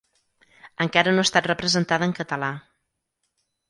Encara no ha estat representada en català.